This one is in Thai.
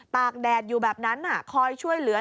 กแดดอยู่แบบนั้นคอยช่วยเหลือ